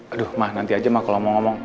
aduh mah nanti aja mah kalau mau ngomong